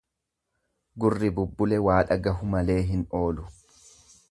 Gurri bubbule waa dhagahu malee hin oolu.